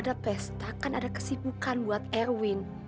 ya setakat ada kesibukan buat erwin